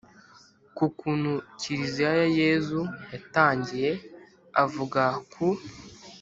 ku kuntu kiliziya ya yezu yatangiye, avuga ku